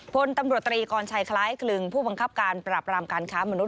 พลตำรวจตรีกรชัยคล้ายกลึงผู้บังคับการปราบรามการค้ามนุษ